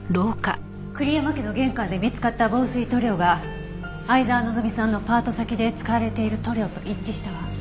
栗山家の玄関で見つかった防水塗料が沢希さんのパート先で使われている塗料と一致したわ。